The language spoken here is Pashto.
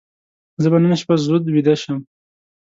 زه به نن شپه زود ویده شم.